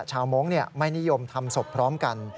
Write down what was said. ชาวโม้งไม่นิยมทำสบพร้อมกัน